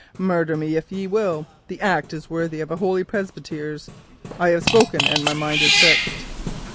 'Murder me if ye will. The deed is worthy of Holy Presbyters. I have spoken and my mind is fixed.